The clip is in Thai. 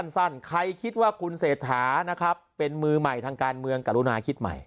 ใครคิดว่าคุณเศรษฐานะครับเป็นมือใหม่ทางการเมืองกรุณาคิดใหม่